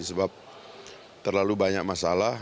sebab terlalu banyak masalah